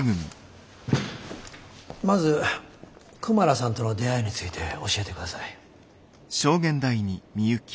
まずクマラさんとの出会いについて教えてください。